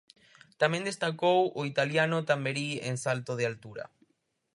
Tamén destacou o italiano Tamberi en salto de altura.